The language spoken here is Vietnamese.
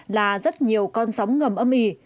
là rất nhiều con sóng ngầm âm ỉ